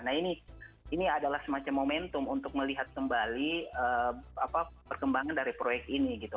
nah ini adalah semacam momentum untuk melihat kembali perkembangan dari proyek ini gitu